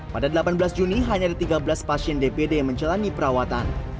pada delapan belas juni hanya ada tiga belas pasien dpd yang menjalani perawatan